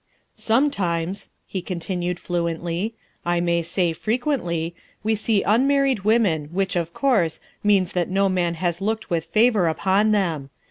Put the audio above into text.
" Sometimes," he continued fluently, " I may say frequently, we see unmarried women, which, of course, means that no man has looked with favor upon them.